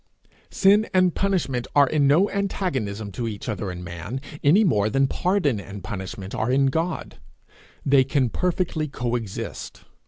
Sin and punishment are in no antagonism to each other in man, any more than pardon and punishment are in God; they can perfectly co exist.